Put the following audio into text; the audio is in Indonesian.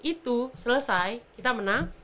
itu selesai kita menang